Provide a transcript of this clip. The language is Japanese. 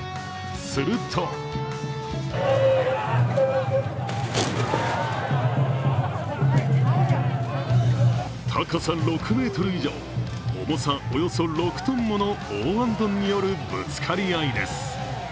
すると高さ６ｍ以上、重さおよそ６ｔもの大あんどんによるぶつかり合いです。